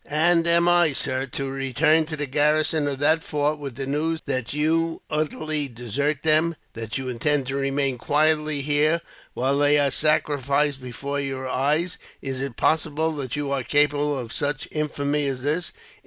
"And am I, sir, to return to the garrison of that fort, with the news that you utterly desert them, that you intend to remain quietly here, while they are sacrificed before your eyes? Is it possible that you are capable of such infamy as this?"